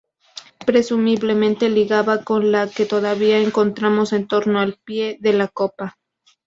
Presumiblemente ligaba con la que todavía encontramos en torno al pie de la copa.